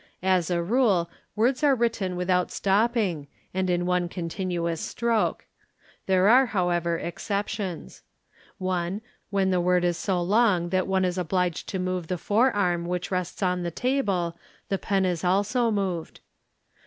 As _ a rule words are written without stopping and in one continuous stroke. — There are however exceptions :—| 1. When the word is so long that one is obliged to move the fore — arm which rests on the table, the pen is also moved.